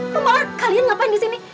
kamu malah kalian ngapain disini